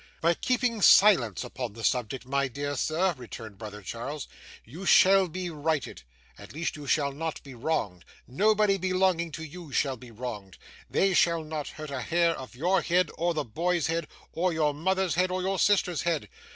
'By keeping silence upon the subject, my dear sir,' returned brother Charles. 'You shall be righted. At least you shall not be wronged. Nobody belonging to you shall be wronged. They shall not hurt a hair of your head, or the boy's head, or your mother's head, or your sister's head.